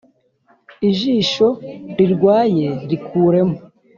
ijisho rirwaye rikuremo